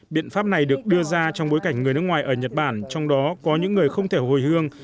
biện pháp này được đưa ra trong bối cảnh người nước ngoài ở nhật bản trong đó có những người không thể hồi hương